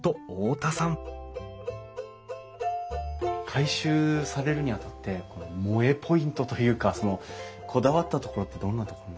改修されるにあたって萌えポイントというかこだわったところってどんなところなんですかね？